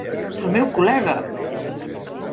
El meu col·lega!